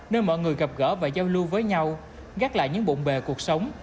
nơi mọi người gặp gỡ và giao lưu với nhau gắt lại những bụng bề cuộc sống